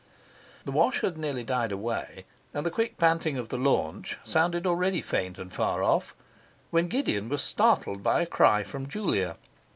The wash had nearly died away, and the quick panting of the launch sounded already faint and far off, when Gideon was startled by a cry from Julia.